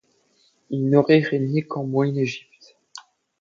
Il n’aurait régné qu’en Moyenne Égypte.